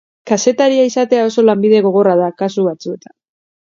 Kazetaria izatea oso lanbide gogorra da kasu batzuetan.